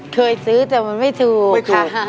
เคยซื้อแต่มันไม่ถูกค่ะ